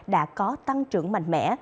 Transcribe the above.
đã có tăng trưởng mạnh mẽ